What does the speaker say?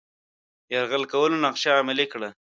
یرغل کولو نقشه عملي کړي.